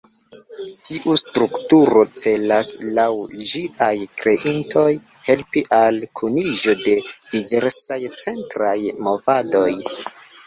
Tiu strukturo celas, laŭ ĝiaj kreintoj, helpi al la kuniĝo de diversaj centraj movadoj.